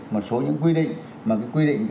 một số những quy định